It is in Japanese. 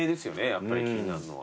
やっぱり気になるのは。